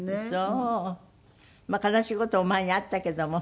悲しい事も前にあったけども。